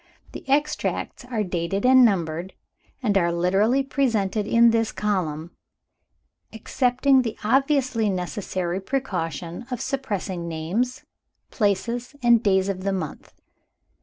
The extracts are dated and numbered, and are literally presented in this column excepting the obviously necessary precaution of suppressing names, places, and days of the month.